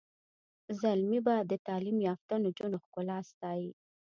زلمي به د تعلیم یافته نجونو ښکلا ستایي.